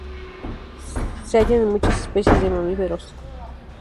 Se hallan en muchas especies de mamíferos.